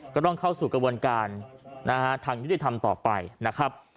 ก็ต้องเข้าสู่กระบวนการทางยุติธรรมต่อไปนะครับ